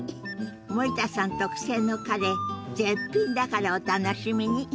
森田さん特製のカレー絶品だからお楽しみに。